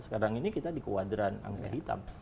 sekarang ini kita di kuadran angsa hitam